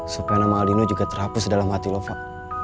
supaya nama aldino juga terhapus dalam hati lo fak